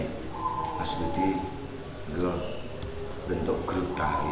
beberapa contoh yang perlu disampaikan adalah